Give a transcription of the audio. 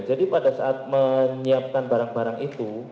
pada saat menyiapkan barang barang itu